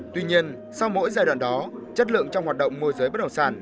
tuy nhiên sau mỗi giai đoạn đó chất lượng trong hoạt động môi giới bất động sản